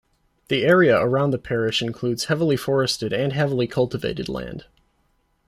The area around the parish includes heavily forested and heavily cultivated land.